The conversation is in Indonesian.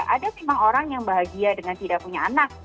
ada memang orang yang bahagia dengan tidak punya anak